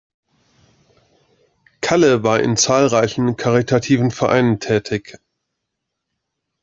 Kalle war in zahlreichen caritativen Vereinen tätig.